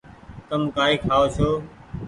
تم ڪآئي کآئو ڇو۔